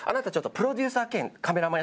プロデューサー兼カメラマン？